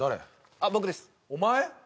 あっ僕ですお前？